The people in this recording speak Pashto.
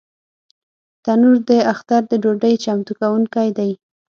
تنور د اختر د ډوډۍ چمتو کوونکی دی